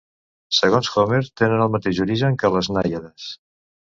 Segons Homer tenen el mateix origen que les nàiades.